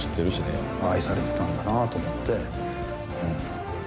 愛されてたんだなと思ってうん。